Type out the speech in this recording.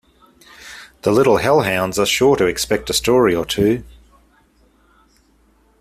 The little hell hounds are sure to expect a story or two.